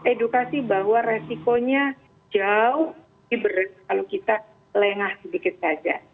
edukasi bahwa resikonya jauh lebih berat kalau kita lengah sedikit saja